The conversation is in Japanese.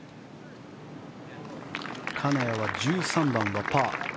金谷は１３番はパー。